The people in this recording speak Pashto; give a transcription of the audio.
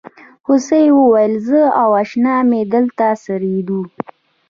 هوسۍ وویل زه او اشنا مې دلته څریدو.